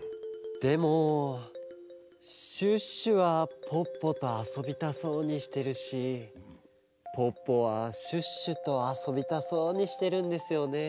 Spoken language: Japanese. でもシュッシュはポッポとあそびたそうにしてるしポッポはシュッシュとあそびたそうにしてるんですよね。